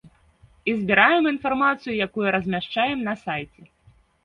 І збіраем інфармацыю, якую размяшчаем на сайце.